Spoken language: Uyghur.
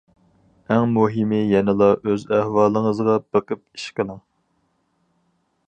ئەڭ مۇھىمى يەنىلا ئۆز ئەھۋالىڭىزغا بېقىپ ئىش قىلىڭ.